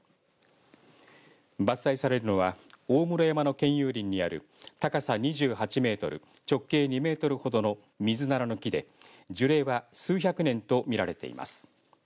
伐採されるのは大室山の県有林にある高さ２８メートル直径２メートルほどのミズナラの木で樹齢は数百年と見られています。